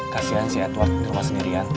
kasian si edward di rumah sendirian